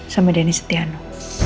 sama denny setiano